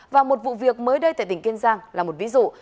và một vụ việc mới đây tại tỉnh kiên giang là một ví dụ